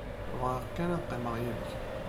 Bɣiɣ kan ad qqimeɣ yid-k.